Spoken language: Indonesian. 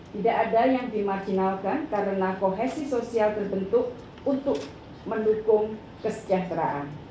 tidak ada yang dimarginalkan karena kohesi sosial terbentuk untuk mendukung kesejahteraan